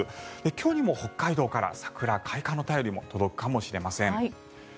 今日にも北海道から桜開花の便りも届くかもしれません。